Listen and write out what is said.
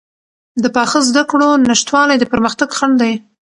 د پاخه زده کړو نشتوالی د پرمختګ خنډ دی.